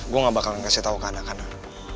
gue ngga bakalan kasih tau ke anak anak